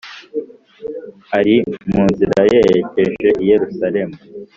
ari mu nzira yerekeje i yerusalemu,